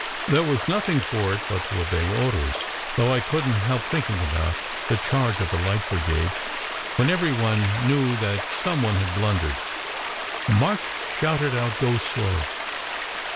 There was nothing for it but to obey orders, though I couldn t help thinking about The Charge of the Light Brigade, when every one knew that some one had blundered. March shouted out, Go slow